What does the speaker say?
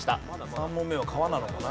３問目は川なのかな？